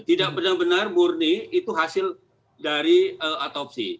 tidak benar benar murni itu hasil dari otopsi